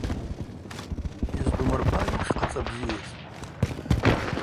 Йыздумырбайа ушхъацӏа бзийыз?